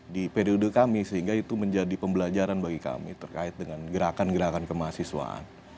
di periode kami sehingga itu menjadi pembelajaran bagi kami terkait dengan gerakan gerakan kemahasiswaan